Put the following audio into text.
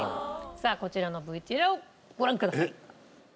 さあこちらのＶＴＲをご覧ください。